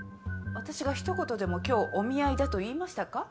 私が一言でも今日お見合いだと言いましたか？